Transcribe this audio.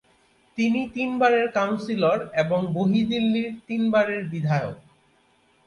তিনি তিনবারের কাউন্সিলর এবং বহিঃ দিল্লির তিনবারের বিধায়ক।